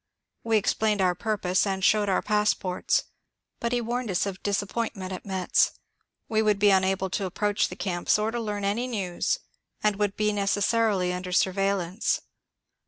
We explained onr purpose and showed our pass ports; but he warned us of disappointment at Metz: we would be unable to approach the camps or to learn any news, and would be necessarily under surveillance.